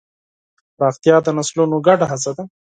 پراختیا د نسلونو ګډه هڅه ده.